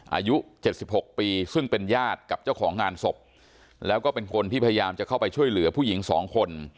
อายุ๗๖ปีซึ่งเป็นญาติกับเจ้าของงานศพแล้วก็เป็นคนที่พยายามจะเข้าไปช่วยเหลือผู้หญิงสองคน